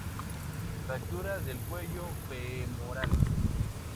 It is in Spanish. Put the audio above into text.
Fracturas del cuello femoral.